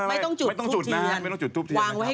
ไม่ต้องจุดไม่ต้องจุดทุบเทียน